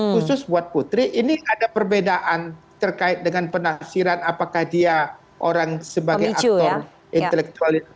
khusus buat putri ini ada perbedaan terkait dengan penafsiran apakah dia orang sebagai aktor intelektual